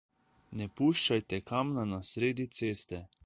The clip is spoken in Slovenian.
Ne puščajte kamna na sredi ceste.